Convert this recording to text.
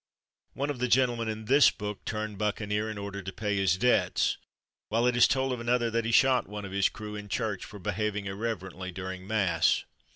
One of the gentlemen in this book turned bucca neer in order to pay his debts, while it is told of another that he shot one of his crew in church for behaving irreverently during Mass.